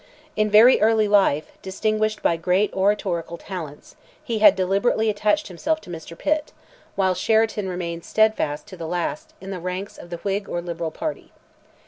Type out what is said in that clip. In very early life, distinguished by great oratorical talents, he had deliberately attached himself to Mr. Pitt, while Sheridan remained steadfast to the last, in the ranks of the Whig or liberal party.